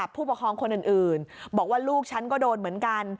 ผู้ปกครองคนอื่นบอกว่าลูกฉันก็โดนเหมือนกัน